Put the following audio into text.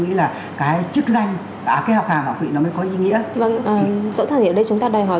nghĩ là cái chức danh và cái học hàm học vị nó mới có ý nghĩa vâng chỗ thẳng hiểu đây chúng ta đòi hỏi